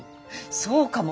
そうかも。